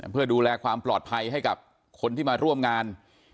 เพื่อดูแลความปลอดภัยให้กับคนที่มาร่วมงาน